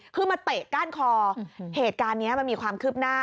คือมาเตะก้านคอเหตุการณ์นี้มันมีความคืบหน้า